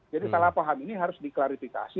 jadi salah paham ini harus diklarifikasi